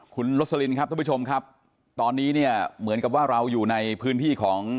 คุณลสลินครับท่านผู้ชมครับตอนนี้เนี่ยเหมือนกับว่าเราอยู่ในพื้นที่ของ